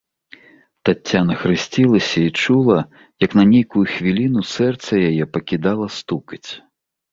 Таццяна хрысцілася і чула, як на нейкую хвіліну сэрца яе пакідала стукаць.